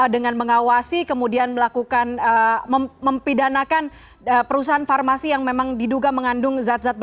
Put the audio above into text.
dengan mengawasi kemudian melakukan mempidanakan perusahaan farmasi yang memang diduga mengandung zat zat berbahaya